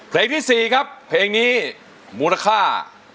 เพลงที่๔ครับเพลงนี้มูลค่า